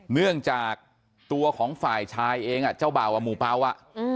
เนื่องจากตัวของฝ่ายชายเองเจ้าบ่าวหมู่เปล่าอ่ะ